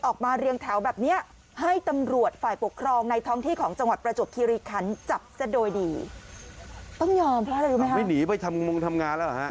โอ้โหเดินแถวเลยต้องยอมค่ะยอมจริง